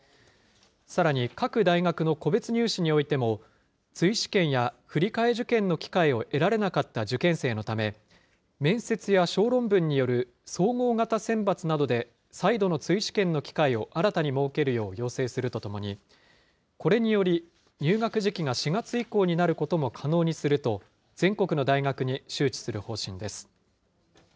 さらに、各大学の個別入試においても、追試験や振り替え受験の機会を得られなかった受験生のため、面接や小論文による総合型選抜などで再度の追試験の機会を新たに設けるよう要請するとともに、これにより、入学時期が４月以降になることも可能にすると、全国の大学に周知する方針です。